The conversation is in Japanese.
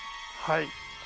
はい。